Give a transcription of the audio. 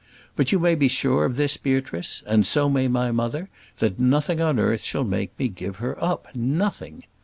But you may be sure of this, Beatrice, and so may my mother, that nothing on earth shall make me give her up nothing."